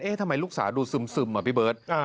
ทำไมลูกสาวดูซึมอ่ะพี่เบิร์ต